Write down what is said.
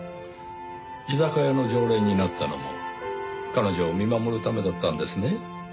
居酒屋の常連になったのも彼女を見守るためだったんですね？